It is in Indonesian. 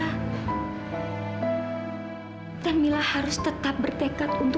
kamila nangis bau mulut suami kamu